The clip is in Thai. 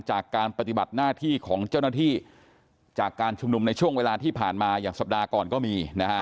จากการปฏิบัติหน้าที่ของเจ้าหน้าที่จากการชุมนุมในช่วงเวลาที่ผ่านมาอย่างสัปดาห์ก่อนก็มีนะฮะ